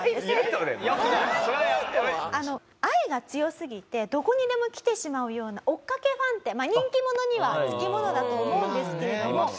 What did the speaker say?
愛が強すぎてどこにでも来てしまうような追っかけファンって人気者には付き物だと思うんですけれども。